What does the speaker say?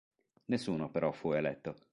Nessuno, però, fu eletto.